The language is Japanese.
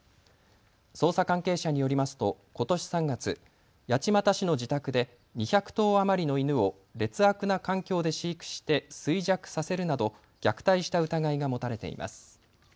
捜査関係者によりますとことし３月、八街市の自宅で２００頭余りの犬を劣悪な環境で飼育して衰弱させるなど虐待した疑いが持たれています。